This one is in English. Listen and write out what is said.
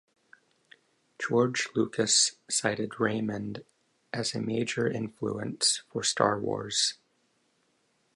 George Lucas cited Raymond as a major influence for "Star Wars".